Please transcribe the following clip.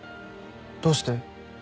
どうして？